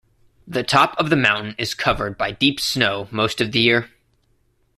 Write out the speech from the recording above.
The top of the mountain is covered by deep snow most of the year.